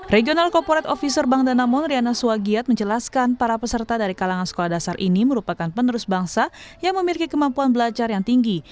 regional corporate officer bank danamon riana swagiat menjelaskan para peserta dari kalangan sekolah dasar ini merupakan penerus bangsa yang memiliki kemampuan belajar yang tinggi